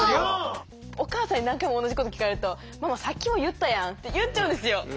お母さんに何回も同じこと聞かれると「ママさっきも言ったやん」って言っちゃうんですよ。